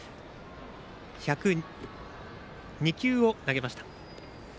１０２球を投げました。